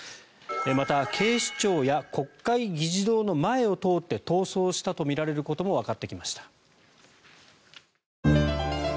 また、警視庁や国会議事堂の前を通って逃走したとみられることもわかってきました。